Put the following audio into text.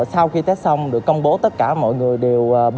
sau khi test xong được công bố tất cả mọi người đều bình an đều âm tính